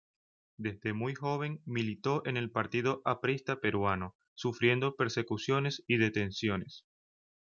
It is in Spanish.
Desde muy joven militó en el Partido Aprista Peruano, sufriendo persecuciones y detenciones.